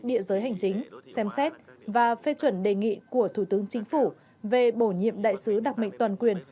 địa giới hành chính xem xét và phê chuẩn đề nghị của thủ tướng chính phủ về bổ nhiệm đại sứ đặc mệnh toàn quyền